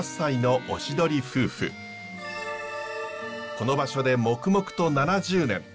この場所で黙々と７０年。